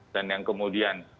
dan yang kemudian